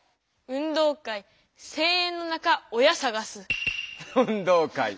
「運動会声援の中親さがす」。